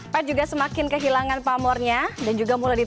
path juga semakin kehilangan pamurnya dan juga mulai ditemukan